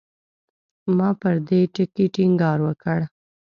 ما پر دې ټکي ټینګار وکړ.